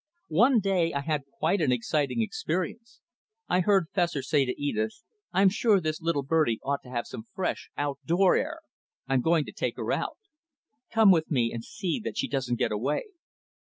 One day I had quite an exciting experience. I heard Fessor say to Edith: "I'm sure this little birdie ought to have some fresh, out door air. I'm going to take her out. Come with me and see that she doesn't get away."